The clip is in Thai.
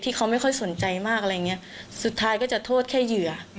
เขาไม่ค่อยสนใจมากอะไรอย่างเงี้ยสุดท้ายก็จะโทษแค่เหยื่อ